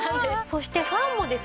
そしてファンもですね